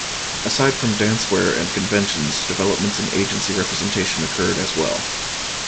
Aside from dancewear and conventions, developments in agency representation occurred as well.